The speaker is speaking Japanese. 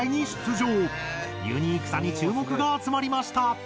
ユニークさに注目が集まりました。